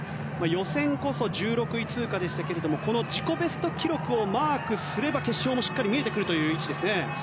予選こそ１６位通過でしたがこの自己ベスト記録をマークすれば決勝もしっかり見えてくるという位置ですね。